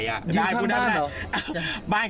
อยู่ข้างบ้านเหรอ